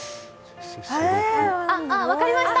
あ、分かりました！！